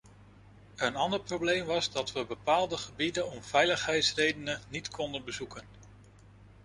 Een ander probleem was dat we bepaalde gebieden om veiligheidsredenen niet konden bezoeken.